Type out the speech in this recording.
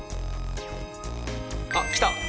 あっ来た。